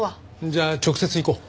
じゃあ直接行こう。